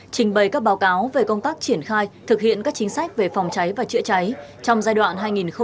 trình bày các báo cáo về công tác triển khai thực hiện các chính sách về phòng cháy và chữa cháy trong giai đoạn hai nghìn một mươi chín hai nghìn hai mươi